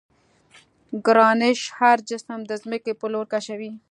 ګرانش هر جسم د ځمکې پر لور کشوي.